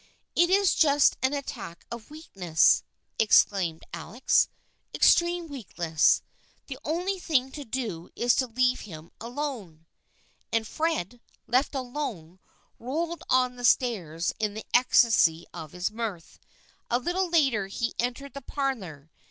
"It is just an attack of weakness," explained Alec ;" extreme weakness. The only thing to do is to leave him alone." And Fred, left alone, rolled on the stairs in the ecstasy of his mirth. A little later he entered the parlor.